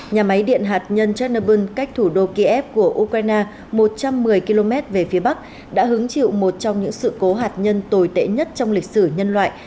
nhà máy điện hạt nhân chernnerbyl cách thủ đô kiev của ukraine một trăm một mươi km về phía bắc đã hứng chịu một trong những sự cố hạt nhân tồi tệ nhất trong lịch sử nhân loại